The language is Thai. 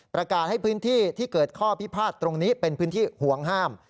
ประกาศให้พื้นที่ที่เกิดข้อพิพาทตรงนี้เป็นพื้นที่ห่วงห้าม